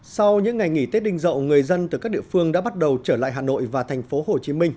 sau những ngày nghỉ tết đinh dậu người dân từ các địa phương đã bắt đầu trở lại hà nội và thành phố hồ chí minh